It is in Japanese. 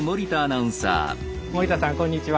森田さんこんにちは。